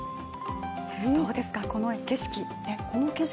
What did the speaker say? どうですか、この景色。